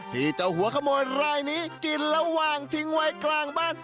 ที่เจ้าหัวขโมยรายนี้กินแล้ววางทิ้งไว้กลางบ้าน